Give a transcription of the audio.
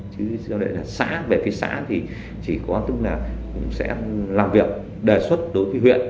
chứ lại là xã về phía xã thì chỉ có tức là cũng sẽ làm việc đề xuất đối với huyện